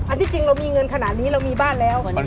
ที่จริงเรามีเงินขนาดนี้เรามีบ้านแล้ว